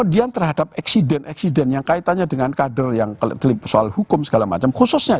dan eksiden yang kaitannya dengan kader yang terlibat soal hukum segala macam khususnya